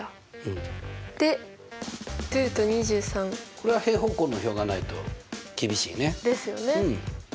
これは平方根の表がないと厳しいね。ですよね。